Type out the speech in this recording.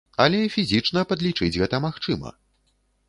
Але фізічна падлічыць гэта магчыма.